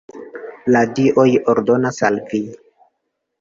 La dioj ordonas al vi!